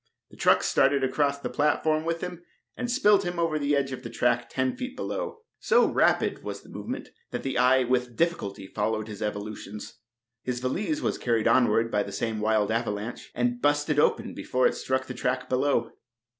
The truck started across the platform with him and spilled him over the edge on the track ten feet below. So rapid was the movement that the eye with difficulty followed his evolutions. His valise was carried onward by the same wild avalanche, and "busted" open before it struck the track below.